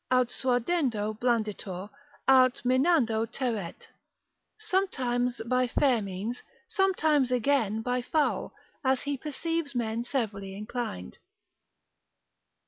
Aut suadendo blanditur, aut minando terret, sometimes by fair means, sometimes again by foul, as he perceives men severally inclined.